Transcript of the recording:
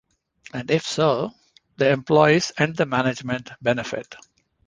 And if so, the employees and the management benefit.